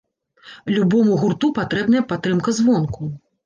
Любому гурту патрэбная падтрымка звонку.